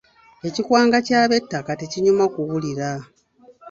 Ekikwanga ky'abettaka tekinyuma kuwulira.